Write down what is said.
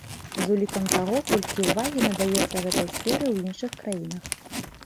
З улікам таго, колькі ўвагі надаецца гэтай сферы ў іншых краінах.